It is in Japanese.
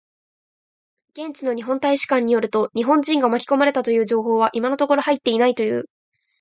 現地の日本大使館によると、日本人が巻き込まれたという情報は今のところ入っていないという。